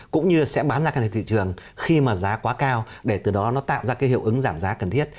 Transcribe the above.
cũng như sẽ bán ra cái thị trường khi mà giá quá cao để từ đó nó tạo ra cái hiệu ứng giảm giá cần thiết